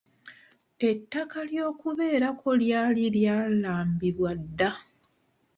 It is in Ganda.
Ettaka ery'okubeerako lyali lyalambibwa dda.